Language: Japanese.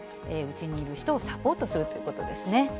うちにいる人をサポートするということですね。